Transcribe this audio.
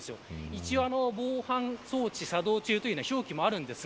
一応、防犯装置作動中という表記があります。